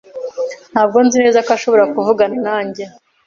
Ntabwo nzi neza ko ashaka kuvugana nanjye.